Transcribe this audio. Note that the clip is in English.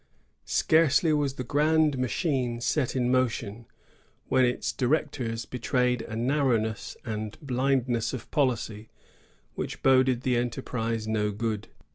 Scarcely was the grand machine set in motion, when its directors betrayed a narrowness and blindness of policy which boded the enterprise no good.